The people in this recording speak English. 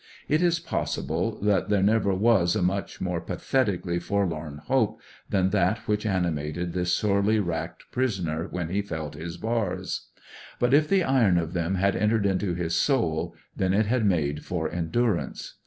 It is possible that there never was a much more pathetically forlorn hope than that which animated this sorely racked prisoner when he felt his bars. But if the iron of them had entered into his soul, then it had made for endurance.